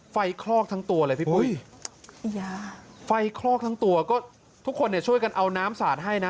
คลอกทั้งตัวเลยพี่ปุ้ยไฟคลอกทั้งตัวก็ทุกคนเนี่ยช่วยกันเอาน้ำสาดให้นะ